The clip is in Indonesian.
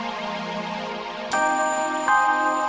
terus lebih banyak yang cair